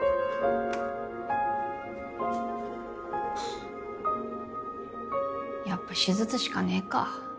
ハァやっぱ手術しかねえか。